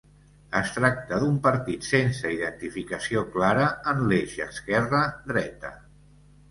Es tracta d'un partit sense identificació clara en l'eix esquerra-dreta.